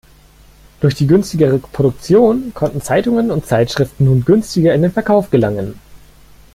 Durch die günstigere Produktion konnten Zeitungen und Zeitschriften nun günstiger in den Verkauf gelangen.